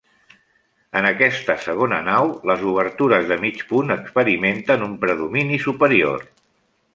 En aquesta segona nau, les obertures de mig punt experimenten un predomini superior.